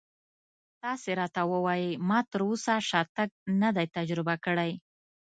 تاسې راته ووایئ ما تراوسه شاتګ نه دی تجربه کړی.